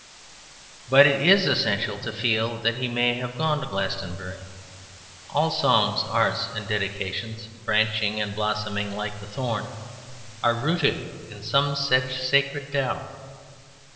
But it is essential to feel that he may have gone to Glastonbury: all songs, arts, and dedications branching and blossoming like the thorn, are rooted in some such sacred doubt.